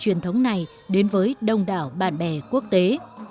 truyền thống này đến với đông đảo bạn bè quốc tế